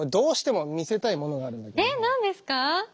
えっ何ですか？